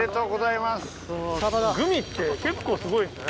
グミって結構すごいですね。